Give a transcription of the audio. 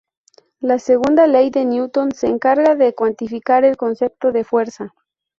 La segunda ley de Newton se encarga de cuantificar el concepto de fuerza.